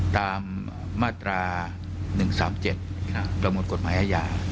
ตามมาตรา๑๓๗ประมวลกฎหมายอาญา